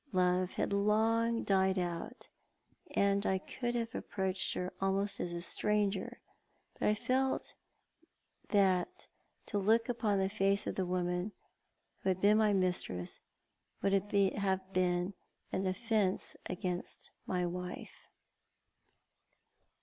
Love had long died out, and I could have approached her almost as a stranger, but I felt that to look upon the face of the woman who had been my mistrqps would be an offence against my wife.